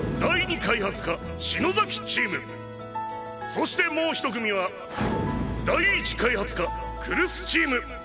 そしてもう１組は第一開発課来栖チーム！